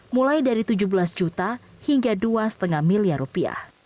mulai dari tujuh belas juta hingga dua lima miliar rupiah